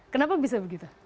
kenapa bisa begitu